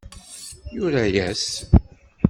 Yura-yas.